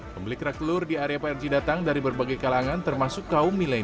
pembeli kerak telur di area prj datang dari berbagai kalangan termasuk kaum milenial